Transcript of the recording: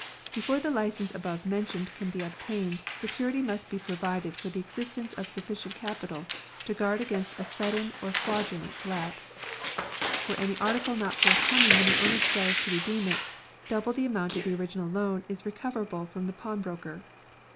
Before the license above mentioned can be obtained, security must be provided for the existence of sufficient capital to guard against a sudden or a fraudulent collapse. For any article not forthcoming when the owner desires to redeem it, double the amount of the original loan is recoverable from the pawnbroker.